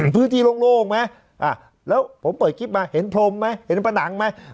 พื้นที่โล่งไหมแล้วผมเปิดคลิปมาเห็นพรมไหมเห็นผนังไหม